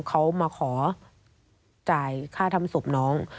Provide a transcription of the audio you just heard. เขามาขอจ่ายค่าทำศพน้อง